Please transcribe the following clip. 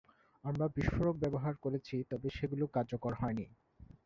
আমরা বিস্ফোরক ব্যবহার করেছি তবে সেগুলি কার্যকর হয়নি।